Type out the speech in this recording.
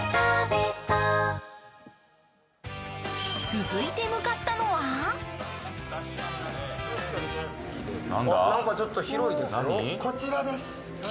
続いて向かったのはなんかちょっと広いですよ。